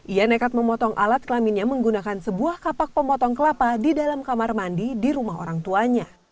ia nekat memotong alat kelaminnya menggunakan sebuah kapak pemotong kelapa di dalam kamar mandi di rumah orang tuanya